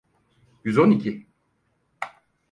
Yüz on iki.